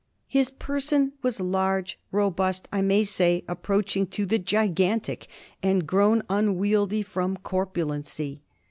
— "His person was large, robust, I may say approaching to the gigantic, and grown unwieldy from corpulency.